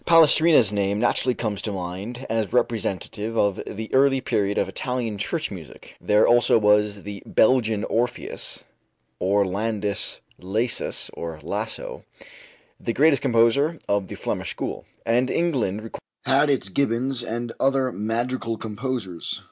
Palestrina's name naturally comes to mind as representative of the early period of Italian church music; there also was the "Belgian Orpheus," Orlandus Lassus (or Lasso), the greatest composer of the Flemish school; and England had its Gibbons and other madrigal composers.